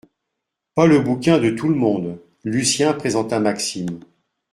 Pas le bouquin de tout le monde. Lucien présenta Maxime.